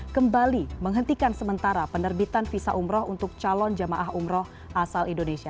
kembali menghentikan sementara penerbitan visa umroh untuk calon jemaah umroh asal indonesia